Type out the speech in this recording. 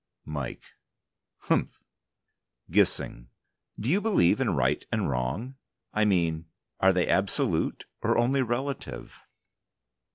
MIKE: Humph. GISSING: Do you believe in Right and Wrong? I mean, are they absolute, or only relative?